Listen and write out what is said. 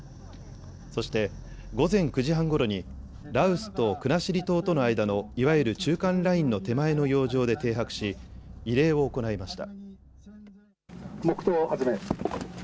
そして午前９時半ごろに羅臼と国後島との間のいわゆる中間ラインの手前の洋上で停泊し慰霊を行いました。